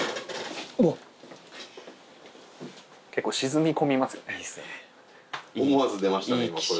結構、沈み込みますよね。